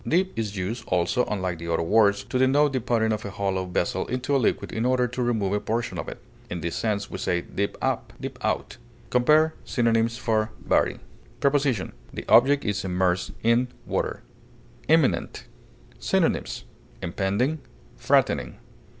Dip is used, also, unlike the other words, to denote the putting of a hollow vessel into a liquid in order to remove a portion of it; in this sense we say dip up, dip out. Compare synonyms for BURY. Preposition: The object is immersed in water. IMMINENT. Synonyms: impending, threatening.